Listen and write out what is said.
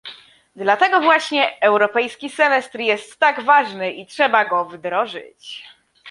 Dlatego właśnie europejski semestr jest tak ważny i trzeba go wdrożyć